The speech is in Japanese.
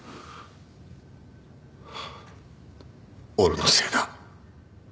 俺のせいだ。